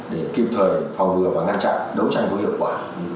để kịp thời phòng ngừa và ngăn chặn đấu tranh có hiệu quả